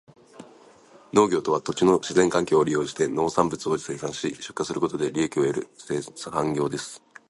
農業とは、土地の自然環境を利用して農産物を生産し、出荷することで利益を得る産業です。